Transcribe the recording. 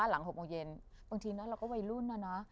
หลัง๖โมงเย็นบางทีนะเราก็วัยรุ่นนะนะ